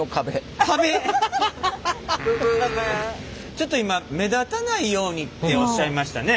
ちょっと今「目立たないように」っておっしゃいましたね？